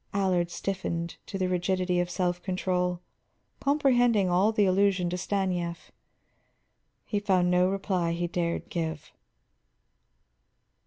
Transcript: Allard stiffened to the rigidity of self control; comprehending all the allusion to Stanief, he found no reply he dared give.